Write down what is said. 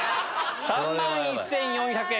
３万１４００円。